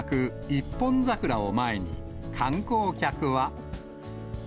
一本桜を前に、観光客は。